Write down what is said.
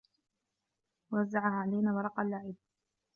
وزّع علينا ورق اللعب.